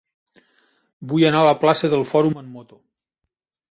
Vull anar a la plaça del Fòrum amb moto.